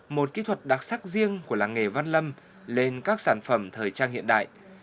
một kỹ thuật đặc sắc riêng của làng nghề văn lâm lên các sản phẩm thời trang hiện đại